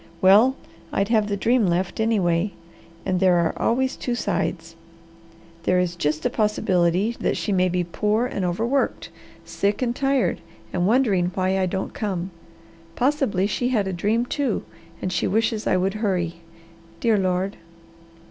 Well I'd have the dream left anyway. And there are always two sides. There is just a possibility that she may be poor and overworked, sick and tired, and wondering why I don't come. Possibly she had a dream, too, and she wishes I would hurry. Dear Lord!"